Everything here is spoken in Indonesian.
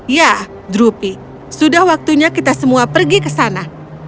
ya drupi sudah waktunya kita semua pergi ke sana